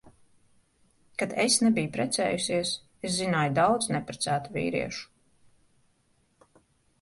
Kad es nebiju precējusies, es zināju daudz neprecētu vīriešu.